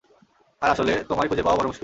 আর আসলে, তোমায় খুঁজে পাওয়া বড় মুশকিল।